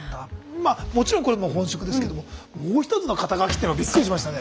まあもちろんこれも本職ですけどももう１つの肩書っていうのがびっくりしましたね。